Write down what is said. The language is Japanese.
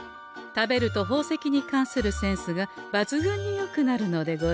食べると宝石に関するセンスがばつぐんによくなるのでござんす。